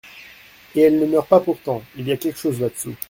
Et elle ne meurt pas pourtant ; il y a quelque chose là-dessous.